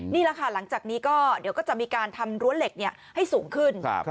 นี่หลังจากนี้จะมีการทำรั้วเหล็กให้สูงขึ้น